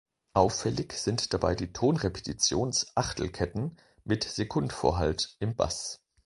Auffällig sind dabei die Tonrepetitions-Achtelketten mit Sekund-Vorhalt im Bass.